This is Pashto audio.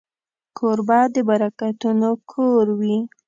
کوربه د برکتونو کور وي.